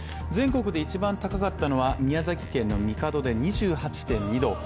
全国で一番高かったのは、宮崎県の神門で２８．２度。